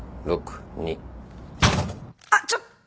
あっ！